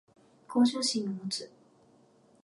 向上心を持つ